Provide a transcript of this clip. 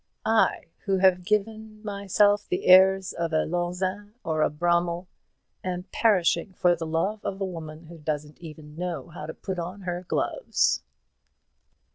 I who have given myself the airs of a Lauzun or a Brummel am perishing for the love of a woman who doesn't even know how to put on her gloves!"